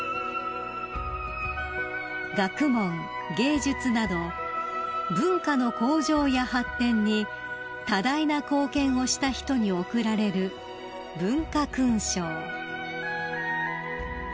［学問芸術など文化の向上や発展に多大な貢献をした人に贈られる文化勲章］